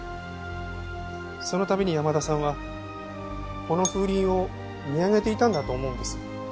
その度に山田さんはこの風鈴を見上げていたんだと思うんです。